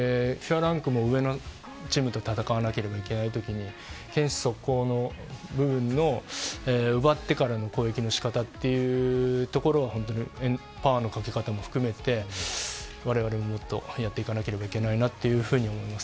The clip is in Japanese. ランクが上のチームと戦わなければいけないときに堅守速攻の部分の奪ってからの攻撃の仕方というところはパワーのかけ方も含めてわれわれも、もっとやっていかなければいけないなというふうに思います。